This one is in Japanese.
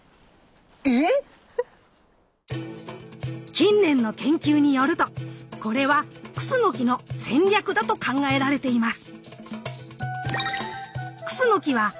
⁉近年の研究によるとこれはクスノキの戦略だと考えられています。